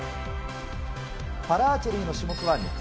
パラアーチェリーの種目は３つ。